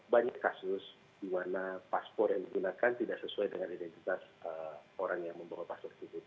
banyak kasus di mana paspor yang digunakan tidak sesuai dengan identitas orang yang membawa paspor tersebut